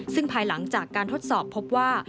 ซึ่งภายหลังจากการทดสอบพบว่า